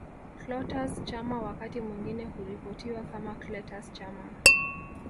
Clatous Chama wakati mwingine huripotiwa kama Cletus Chama